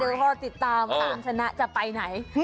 เดี๋ยวพอติดตามตามชนะจะไปไหน